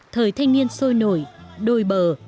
thời thanh niên sôi nổi đồi bờ